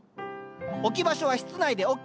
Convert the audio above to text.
置き場所は室内でＯＫ。